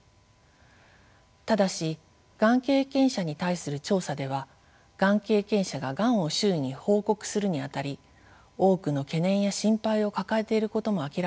ただしがん経験者に対する調査ではがん経験者ががんを周囲に報告するにあたり多くの懸念や心配を抱えていることも明らかになっています。